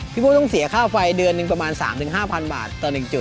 พี่โบ้ต้องเสียค่าไฟเดือนประมาณ๓๐๐๐๕๐๐๐บาทต่อหนึ่งจุด